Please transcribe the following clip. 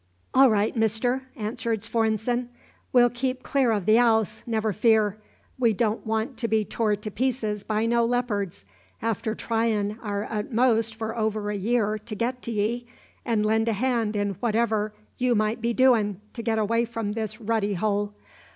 "All right. Mister," answered Svorenssen, "we'll keep clear of the 'ouse, never fear. We don't want to be tore to pieces by no leopards, after tryin' our utmost for over a year to get to ye and lend a hand in whatever you might be doin' to get away from this ruddy hole.